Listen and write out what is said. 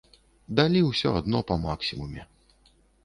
Далі ўсё адно па максімуме.